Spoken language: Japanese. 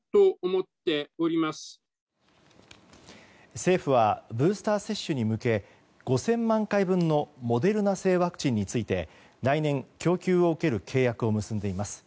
政府はブースター接種に向け５０００万回分のモデルナ製ワクチンについて来年、供給を受ける契約を結んでいます。